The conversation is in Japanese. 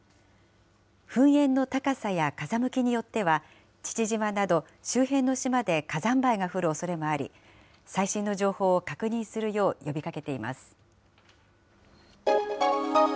噴煙の高さや風向きによっては、父島など周辺の島で火山灰が降るおそれもあり、最新の情報を確認するよう呼びかけています。